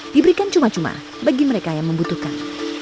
diberikan cuma cuma bagi mereka yang membutuhkan